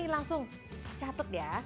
langsung catet ya